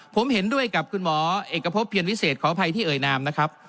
ผมเห็นด้วยกับคุณหมอเอกพบเพียรวิเศษขออภัยที่เอ่ยนามนะครับ